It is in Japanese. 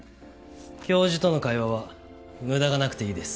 教授との会話は無駄がなくていいです。